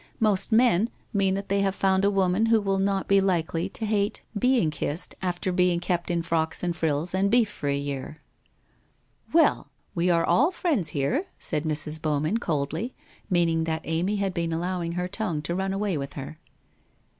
Most men mean that they have found a woman who will not be likely to hato 92 WHITE ROSE OF WEARY LEAF being kissed after being kept in frocks and frills and beef for a year !'' Well, we are all friends here/ said Mrs. Bowman coldly, meaning that Amy had been allowing her tongue to run away with her.